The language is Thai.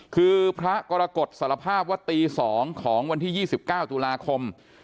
คือพระกรกฎสารภาพว่าตี๒ของวันที่๒๙ตุลาคม